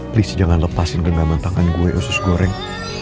please jangan lepasin genggaman tangan gue usus goreng